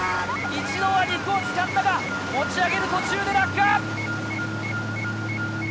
一度は肉をつかんだが持ち上げる途中で落下。